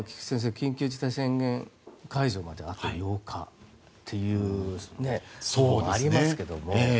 緊急事態宣言解除まであと８日ということもありますけども。